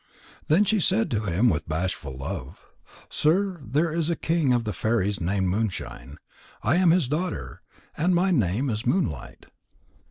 Then she said to him with bashful love: "Sir, there is a king of the fairies named Moonshine. I am his daughter, and my name is Moonlight.